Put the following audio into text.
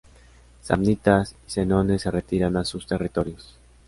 Samnitas y senones se retiran a sus territorios.